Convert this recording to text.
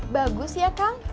bagus ya kang